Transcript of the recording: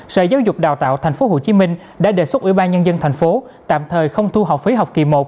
sở giáo dục đào tạo tp hcm đã đề xuất ủy ban nhân dân tp hcm tạm thời không thu học phí học kỳ một